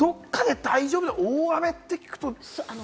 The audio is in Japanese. まだどこかで大丈夫って、大雨って聞くとね。